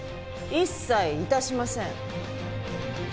一切致しません。